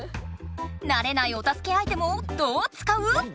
なれないおたすけアイテムをどう使う？